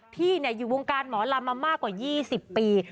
พี่อยู่วงการหมอลำมามากกว่า๒๐ปี